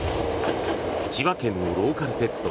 千葉県のローカル鉄道